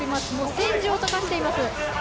戦場と化しています